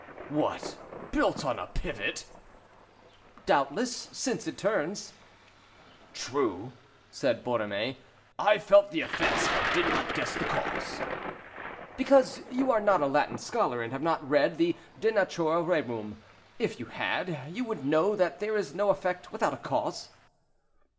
"What! built on a pivot?" "Doubtless, since it turns." "True," said Borromée, "I felt the effects, but did not guess the cause." "Because you are not a Latin scholar, and have not read the 'De Natura Rerum.' If you had, you would know that there is no effect without a cause."